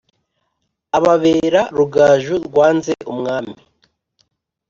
Ababera rugaju rwanze umwami